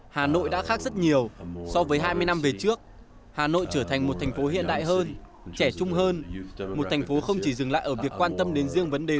hà nội đã khác rất nhiều so với hai mươi năm về trước hà nội trở thành một thành phố hiện đại hơn trẻ trung hơn một thành phố không chỉ dừng lại ở việc quan tâm đến riêng vấn đề